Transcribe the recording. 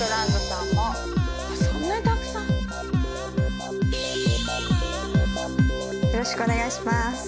そんなにたくさん⁉よろしくお願いします。